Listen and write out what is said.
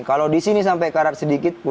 kalau di sini sampai karat sedikit